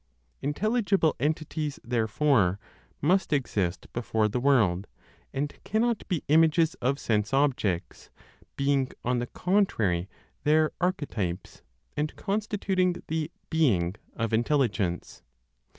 Intelligible entities, therefore, must exist before the world, and cannot be images of sense objects, being on the contrary, their archetypes, and constituting the "being" of Intelligence.